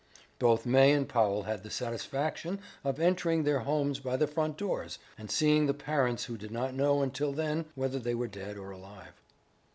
Both May and Powell had the satisfaction of entering their homes by the front doors, and seeing the parents who did not know until then whether they were dead or alive.